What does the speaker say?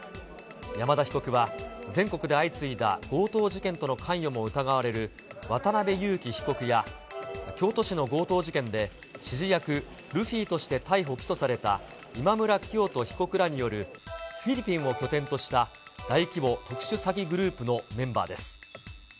山田被告は全国で相次いだ強盗事件との関与も疑われる渡辺優樹被告や、京都市の強盗事件で、指示役、ルフィとして逮捕・起訴された今村磨人被告らによるフィリピンを拠点とした大規模特殊詐欺グループのメンバーです。